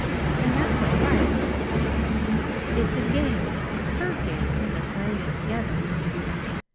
And that's all right. It's a game HER game, and they're playing it together.